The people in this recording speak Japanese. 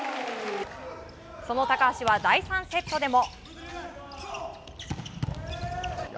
その高橋は第３セットでも。